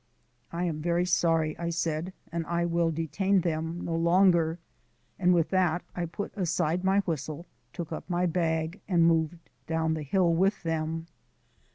"I am very sorry," I said, "and I will detain them no longer," and with that I put aside my whistle, took up my bag and moved down the hill with them.